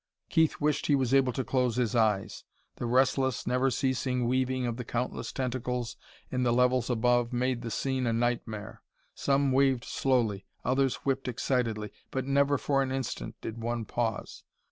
Keith wished he was able to close his eyes. The restless, never ceasing weaving of the countless tentacles in the levels above made the scene a nightmare. Some waved slowly, others whipped excitedly, but never for an instant did one pause.